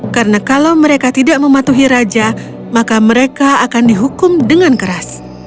karena kalau mereka tidak mematuhi raja maka mereka akan dihukum dengan keras